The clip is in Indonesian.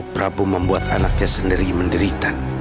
prabu membuat anaknya sendiri menderita